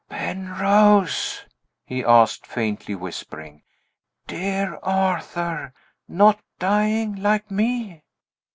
"Penrose?" he asked, faintly whispering. "Dear Arthur! Not dying, like me?"